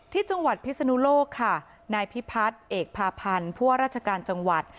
ที่จังหวัดพิศนุโลกค่ะนายพิพัฒน์เอกพาพันธ์ผู้ว่าราชการจังหวัด